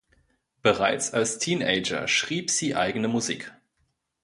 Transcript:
Bereits als Teenager schrieb sie eigene Musik.